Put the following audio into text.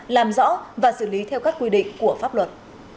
làm rõ và xử lý theo các quy định của pháp luật